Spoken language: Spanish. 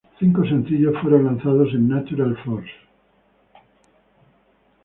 Cinco sencillos fueron lanzados en Natural Force.